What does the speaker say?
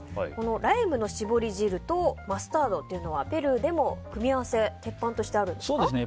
ライムの搾り汁とマスタードというのはペルーでも組み合わせは鉄板としてあるんですか。